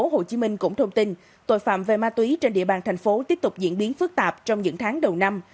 tp hcm cũng thông tin tội phạm về ma túy trên địa bàn thành phố tiếp tục diễn biến phức tạp trong những tháng đầu năm